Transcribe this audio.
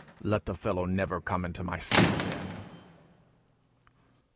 Let the fellow never come in my sight again."